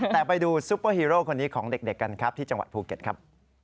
แต่ไปดูซุปเปอร์ฮีโร่คนนี้ของเด็กกันครับที่จังหวัดภูเก็ตครับ